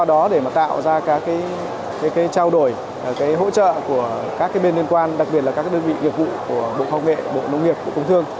đó để tạo ra các trao đổi hỗ trợ của các bên liên quan đặc biệt là các đơn vị nghiệp vụ của bộ công nghệ bộ nông nghiệp bộ công thương